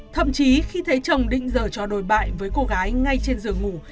thậm chí khi thấy chồng định dờ cho đồi bại với cô gái ngay trên giường ngủ